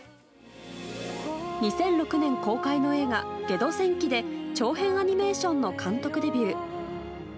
２００６年公開の映画「ゲド戦記」で長編アニメーションの監督デビュー。